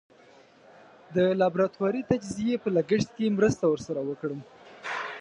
د لابراتواري تجزیې په لګښت کې مرسته ور سره وکړم.